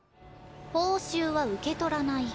「報酬は受け取らない。